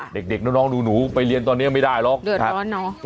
เด็กเด็กน้องหนูไปเรียนตอนนี้ไม่ได้หรอกเดือดร้อนเนอะ